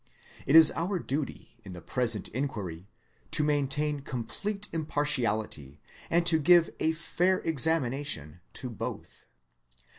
It is our duty in the present inquiry to maintain complete impartiality and to EVIDENCES OF THEISM 139 give a fair examination to both.